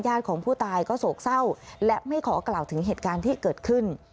ของผู้ตายก็โศกเศร้าและไม่ขอกล่าวถึงเหตุการณ์ที่เกิดขึ้น